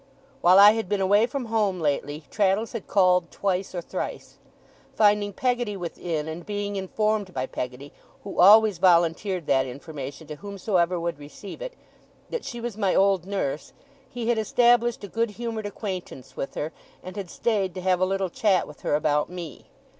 While I had been away from home lately, Traddles had called twice or thrice. Finding Peggotty within, and being informed by Peggotty (who always volunteered that information to whomsoever would receive it), that she was my old nurse, he had established a good humoured acquaintance with her, and had stayed to have a little chat with her about me.